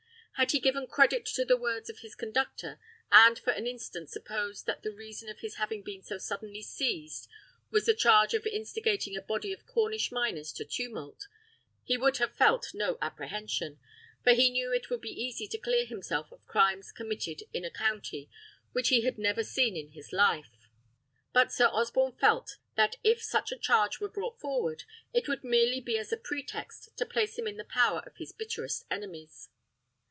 Had he given credit to the words of his conductor, and for an instant supposed that the reason of his having been so suddenly seized was the charge of instigating a body of Cornish miners to tumult, he would have felt, no apprehension; for he knew it would be easy to clear himself of crimes committed in a county which he had never seen in his life. But Sir Osborne felt that if such a charge were brought forward, it would merely be as a pretext to place him in the power of his bitterest enemies.